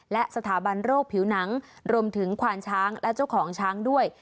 และสถาบันโรคผิวหนังรวมถึงควานช้างและเจ้าของช้างด้วย